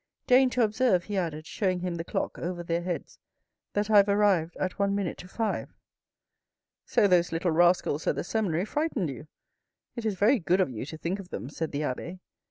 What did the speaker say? Deign to observe," he added, showing him the clock over their heads, " that I have arrived at one minute to five." "So those little rascals at the seminary frightened you. It is very good of you to think of them," said the abbe.